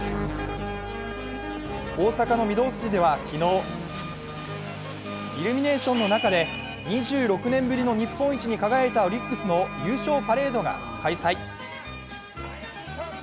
大阪の御堂筋では昨日、イルミネーションの中で２６年ぶりの日本一に輝いたオリックスの優勝パレードが開催。